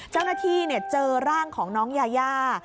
เจ้าหน้าที่เจอร่างของน้องยายา